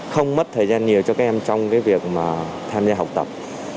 không mất thời gian nhiều cho các em trong cái việc mà tham gia học tập